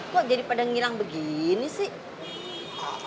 kok jadi pada ngilang begini sih